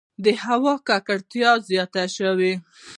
• د هوا ککړتیا زیاته شوه.